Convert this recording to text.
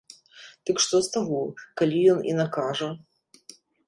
Ды што з таго, калі ён і накажа?